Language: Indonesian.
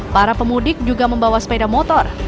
para pemudik juga membawa sepeda motor